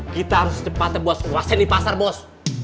kita harus cepat buat kuasain di pasar bos